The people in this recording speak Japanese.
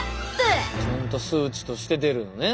ちゃんと数値として出るのね。